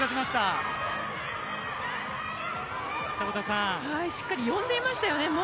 しっかり呼んでいましたよね。